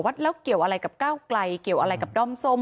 แล้วเกี่ยวอะไรกับก้าวไกลเกี่ยวอะไรกับด้อมส้ม